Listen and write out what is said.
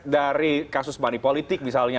dari kasus moneypolitik misalnya